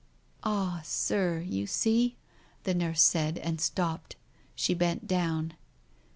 "Ah, Sir, you see ?" the nurse said, and stopped. She bent down.